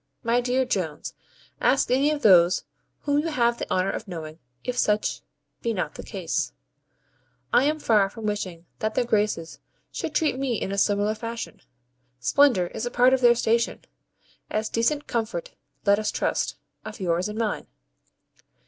My dear Jones, ask any of those whom you have the honour of knowing, if such be not the case. I am far from wishing that their Graces should treat me in a similar fashion. Splendour is a part of their station, as decent comfort (let us trust), of yours and mine.